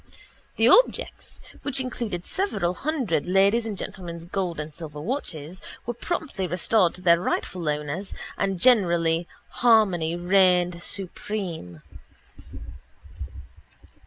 The objects (which included several hundred ladies' and gentlemen's gold and silver watches) were promptly restored to their rightful owners and general harmony reigned supreme.